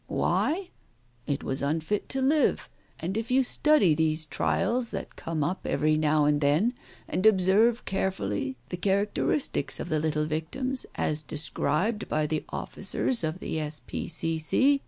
Why ? It was unfit to live. And if you study these trials that come up every now and then, and observe carefully the characteristics of the little victims as described by the officers of the S.P.C.C.